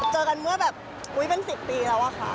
เจอกันเมื่อแบบอุ๊ยเป็น๑๐ปีแล้วอะค่ะ